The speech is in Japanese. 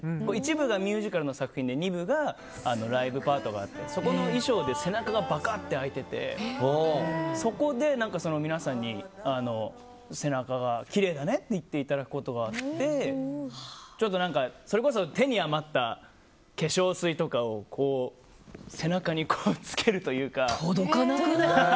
１部がミュージカルの作品で２部にライブパートがあってそこの衣装で背中がバカッって開いててそこで皆さんに背中がきれいだねって言っていただくことがあってそれこそ手に余った化粧水とかを背中につけるというか。